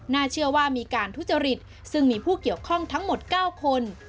เชื่อว่ามีการทุจริตซึ่งมีผู้เกี่ยวข้องทั้งหมด๙คน